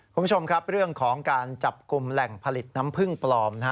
คุณผู้ชมครับเรื่องของการจับกลุ่มแหล่งผลิตน้ำพึ่งปลอม